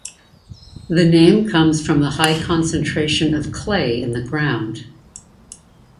The name comes from the high concentration of clay in the ground.